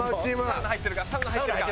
サウナ入ってるからな。